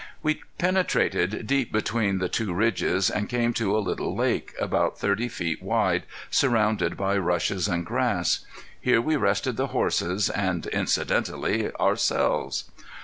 We penetrated deep between the two ridges, and came to a little lake, about thirty feet wide, surrounded by rushes and grass. Here we rested the horses, and incidentally, ourselves.